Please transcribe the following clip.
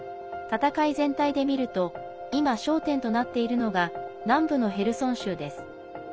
戦い全体で見ると今、焦点となっているのが南部のヘルソン州です。